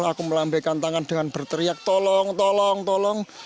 aku melambaikan tangan dengan berteriak tolong tolong tolong